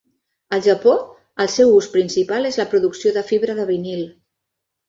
Al Japó, el seu ús principal és la producció de fibra de vinil.